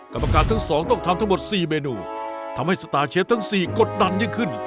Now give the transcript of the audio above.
กรรมการทั้งสองต้องทำทั้งหมด๔เมนูทำให้สตาร์เชฟทั้ง๔กดดันยิ่งขึ้น